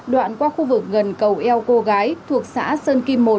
đoạn qua khu vực gần cầu eo cô gái thuộc xã sơn kim một